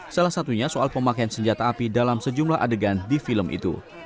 salah satunya soal pemakaian senjata api dalam sejumlah adegan di film itu